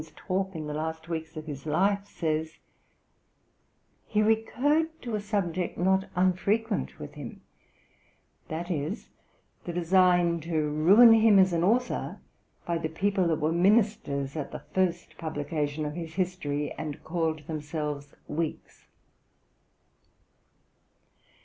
John Home, in his notes of Hume's talk in the last weeks of his life, says: 'He recurred to a subject not unfrequent with him that is, the design to ruin him as an author, by the people that were ministers at the first publication of his History, and called themselves Whigs.'